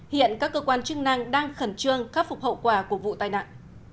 hiện các cơ quan chức năng đang khẩn trương khắc phục hậu quả của vụ tai nạn